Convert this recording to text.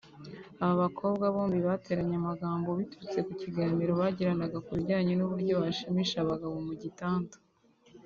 Aba bakobwa bombi bateranye amagambo biturutse ku kiganiro bagiranaga ku bijyanye n’uburyo bashimisha abagabo mu gitanda